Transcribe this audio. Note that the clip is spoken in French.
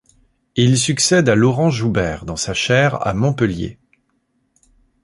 Il succède à Laurent Joubert dans sa chaire à Montpellier.